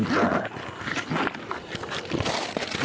๑๔๐บาท